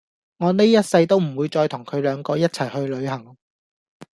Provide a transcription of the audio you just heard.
我哩一世都唔會再同佢兩個一齊去旅行